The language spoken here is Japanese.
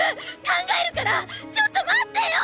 考えるからちょっと待ってよ！